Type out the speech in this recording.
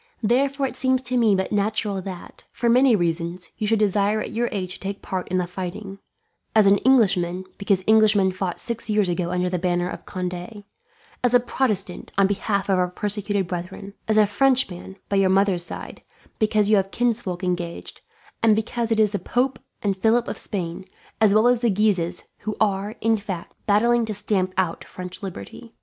"Therefore it seems to me but natural that, for many reasons, you should desire at your age to take part in the fighting; as an Englishman, because Englishmen fought six years ago under the banner of Conde; as a Protestant, on behalf of our persecuted brethren; as a Frenchman by your mother's side, because you have kinsfolk engaged, and because it is the Pope and Philip of Spain, as well as the Guises, who are, in fact, battling to stamp out French liberty.